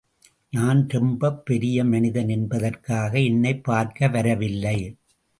நான் ரொம்பப் பெரிய மனிதன் என்பதற்காக என்னைப் பார்க்க வரவில்லை.